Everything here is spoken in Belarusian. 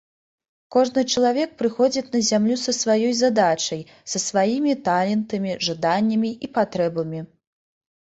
Кожны чалавек прыходзіць на зямлю са сваёй задачай, са сваімі талентамі, жаданнямі і патрэбамі.